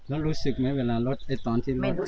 แล้วรู้สึกไหมเวลารถตอนที่รถ